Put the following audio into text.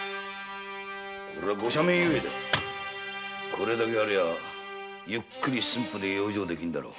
これだけありゃゆっくり駿府で養生できるだろう。